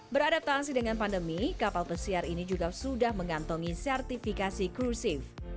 beradaptasi dengan pandemi kapal pesiar ini juga sudah mengantongi sertifikasi krusif